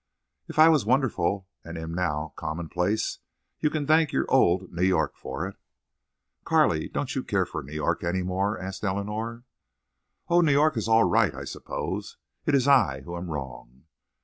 "If I was wonderful and am now commonplace you can thank your old New York for it." "Carley, don't you care for New York any more?" asked Eleanor. "Oh, New York is all right, I suppose. It's I who am wrong."